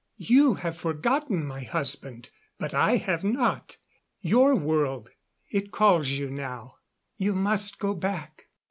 "You have forgotten, my husband. But I have not. Your world it calls you now. You must go back."